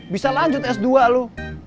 bisa lanjut s dua loh